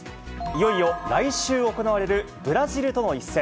いよいよ来週行われるブラジルとの一戦。